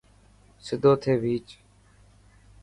سڌو ٿي ڀيچ.